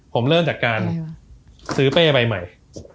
ผมเริ่มจากการซื้อเป้ใบใหม่